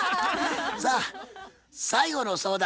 さあ最後の相談です。